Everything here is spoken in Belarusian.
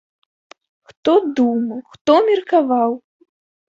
Хто думаў, хто меркаваў!